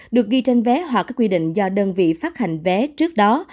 được ghi trên vé hoặc các quy định do đơn vị phát hành vé trước đó